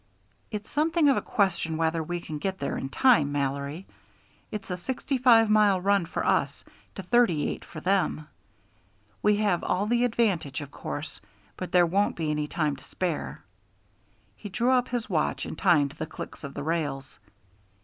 "It's something of a question whether we can get there in time, Mallory. It's a sixty five mile run for us to thirty eight for them. We have all the advantage, of course, but there won't be any time to spare." He drew out his watch and timed the clicks of the rails.